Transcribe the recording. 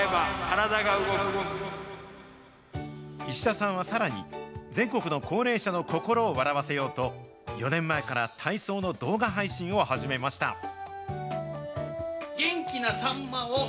石田さんはさらに、全国の高齢者の心を笑わせようと、４年前から体操の動画配信を始めました。